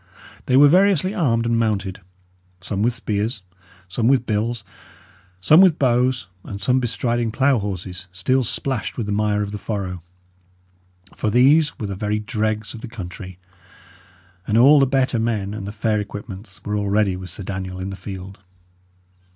They were variously armed and mounted; some with spears, some with bills, some with bows, and some bestriding plough horses, still splashed with the mire of the furrow; for these were the very dregs of the country, and all the better men and the fair equipments were already with Sir Daniel in the field.